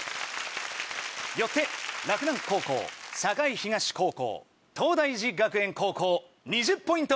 よって洛南高校栄東高校東大寺学園高校２０ポイント獲得です！